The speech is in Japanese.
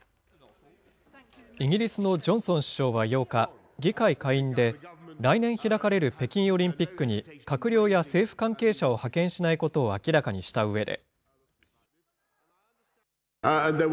イギリスのジョンソン首相は８日、議会下院で、来年開かれる北京オリンピックに、閣僚や政府関係者を派遣しないことを明らかにしたうえで。